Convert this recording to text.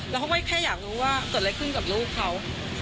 แล้วเขาก็แค่อยากรู้ว่าเกิดอะไรขึ้นกับลูกเขา